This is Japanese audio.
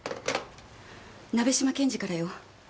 鍋島検事からよ。